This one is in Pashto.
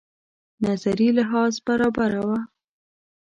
نظري لحاظ برابره وه.